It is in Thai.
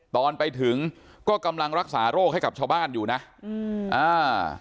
ตอนไปถึงก็กำลังรักษาโรคให้กับชาวบ้านอยู่นะอืมอ่า